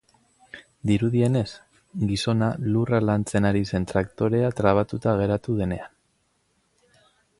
Dirudienez, gizona lurra lantzen ari zen traktorea trabatuta geratu denean.